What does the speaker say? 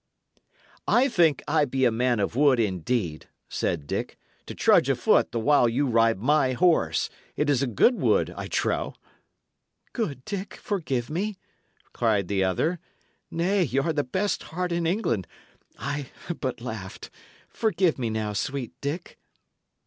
"I think I be a man of wood, indeed," said Dick, "to trudge afoot the while you ride my horse; but it is good wood, I trow." "Good Dick, forgive me," cried the other. "Nay, y' are the best heart in England; I but laughed. Forgive me now, sweet Dick."